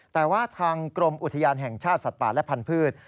แต่ว่าทางกรมอุทยานแห่งชาติสัตว์ป่าและพันธุ์